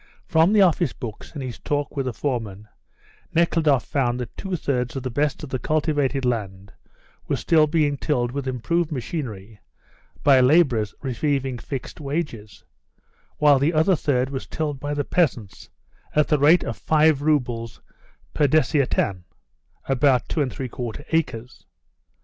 From the office books and his talk with the foreman, Nekhludoff found that two thirds of the best of the cultivated land was still being tilled with improved machinery by labourers receiving fixed wages, while the other third was tilled by the peasants at the rate of five roubles per desiatin [about two and three quarter acres].